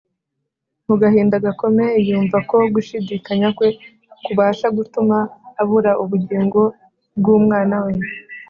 Mu gahinda gakomeye, yumva ko gushidikanya kwe kubasha gutuma abura ubugingo bw’umwana we